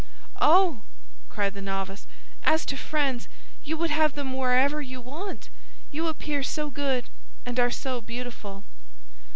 "Oh," cried the novice, "as to friends, you would have them wherever you want, you appear so good and are so beautiful!"